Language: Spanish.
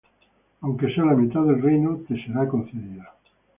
Aunque sea la mitad del reino, te será concedida.